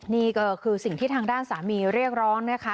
นี่ก็คือสิ่งที่ทางด้านสามีเรียกร้องนะคะ